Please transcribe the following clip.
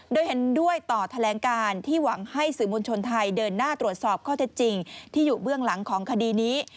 โดยเห็นด้วยต่อแถลงการที่หวังให้สื่อมวลชนไทยเดินหน้าตรวจสอบข้อเท็จจริงที่อยู่เบื้องหลังของคดีนี้